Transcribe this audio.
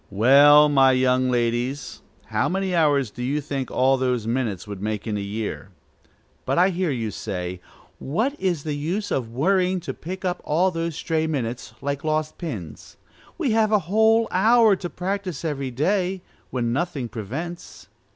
Well, my young ladies, how many hours do you think all those minutes would make in a year? But I hear you say, "What is the use of worrying to pick up all those stray minutes, like lost pins? We have a whole hour to practise every day, when nothing prevents."